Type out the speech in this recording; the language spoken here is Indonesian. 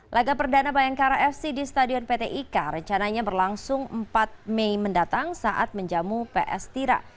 laga perdana bayangkara fc di stadion pt ika rencananya berlangsung empat mei mendatang saat menjamu ps tira